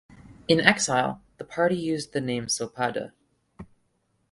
In exile, the party used the name Sopade.